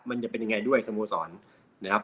มันจะเป็นยังไงด้วยสโมสรนะครับ